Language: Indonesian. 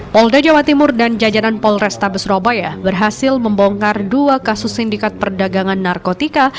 polda jawa timur dan jajanan polrestabes surabaya berhasil membongkar dua kasus sindikat perdagangan narkotika